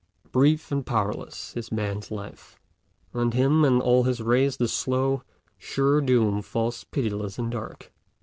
Brief and powerless is Man's life; on him and all his race the slow, sure doom falls pitiless and dark.